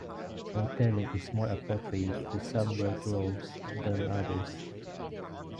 Hoteling is more appropriate to some work roles than others.